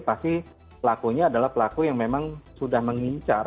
pasti pelakunya adalah pelaku yang memang sudah mengincar